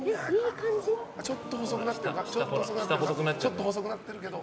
ちょっと細くなってるけど。